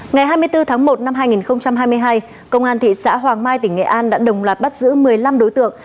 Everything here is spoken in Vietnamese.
ngày hai mươi bốn tháng một năm hai nghìn hai mươi hai công an thị xã hoàng mai tỉnh nghệ an đã đồng loạt bắt giữ một mươi năm đối tượng